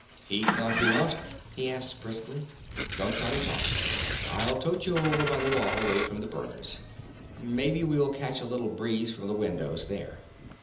"Heat knock you out?" he asked briskly. "Don't try to talk. I'll tote you over by the wall away from the burners. Maybe we'll catch a little breeze from the windows there."